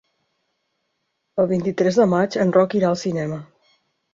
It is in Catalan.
El vint-i-tres de maig en Roc irà al cinema.